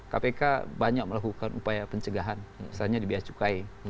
kpk banyak melakukan upaya pencegahan misalnya di biaya cukai